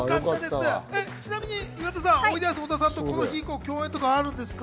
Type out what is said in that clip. ちなみに岩田さん、おいでやす小田さんとこの日以降、共演とかあるんですか？